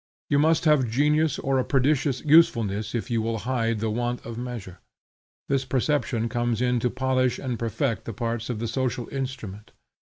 You must have genius or a prodigious usefulness if you will hide the want of measure. This perception comes in to polish and perfect the parts of the social instrument.